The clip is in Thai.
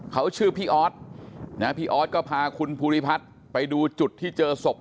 เขาชื่อพี่ออสพี่ออสก็พาคุณภูริพัฒน์ไปดูจุดที่เจอศพ